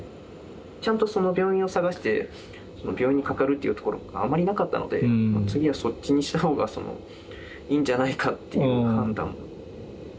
ちゃんとその病院を探して病院にかかるっていうところがあんまりなかったので次はそっちにした方がいいんじゃないかっていう判断を。